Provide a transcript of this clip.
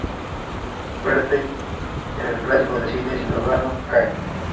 Bernstein en el clásico del cine "Ciudadano Kane".